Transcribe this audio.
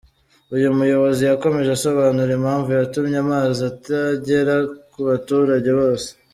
Uyu muyobozi yakomeje asobanura impamvu yatumye amazi atagera ku baturage bose.